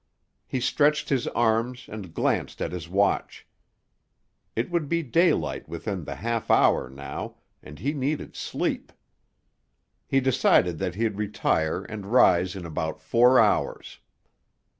He stretched his arms and glanced at his watch. It would be daylight within the half hour now, and he needed sleep. He decided that he'd retire and rise in about four hours.